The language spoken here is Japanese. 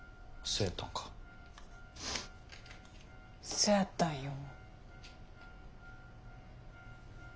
そうやったんよ。